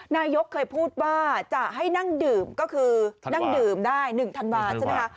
นายกเคยพูดว่าจะให้นั่งดื่มก็คือนั่งดื่มได้๑ธันวาใช่ไหมคะ